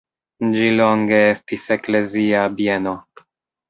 Ĝi longe estis eklezia bieno.